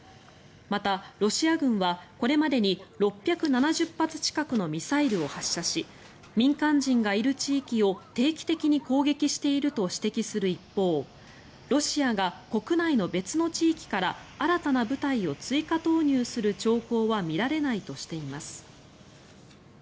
また、ロシア軍はこれまでに６７０発近くのミサイルを発射し民間人がいる地域を定期的に攻撃していると指摘する一方ロシアが国内の別の地域から新たな部隊を追加投入する兆候は見られないとしています。